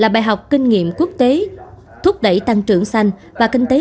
năm bài học kinh nghiệm quốc tế